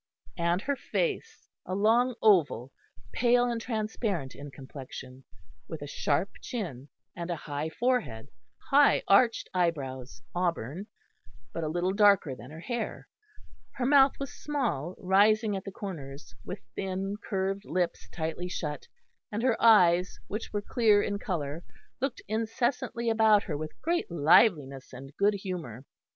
And her face a long oval, pale and transparent in complexion, with a sharp chin, and a high forehead; high arched eyebrows, auburn, but a little darker than her hair; her mouth was small, rising at the corners, with thin curved lips tightly shut; and her eyes, which were clear in colour, looked incessantly about her with great liveliness and good humour.